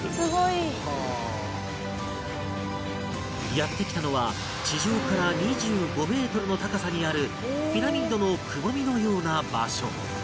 やって来たのは地上から２５メートルの高さにあるピラミッドのくぼみのような場所